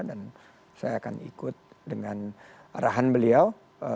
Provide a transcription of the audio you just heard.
dan saya akan ikut dengan arahan beliau